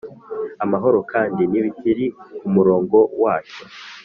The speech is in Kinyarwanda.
amahoro! kandi ntibikiri kumurongo wacyo